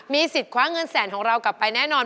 สิทธิ์คว้าเงินแสนของเรากลับไปแน่นอน